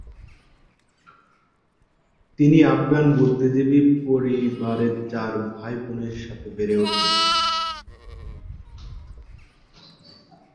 তিনি আফগান বুদ্ধিজীবী পরিবারে চার ভাইবোনের সাথে বেড়ে ওঠেন।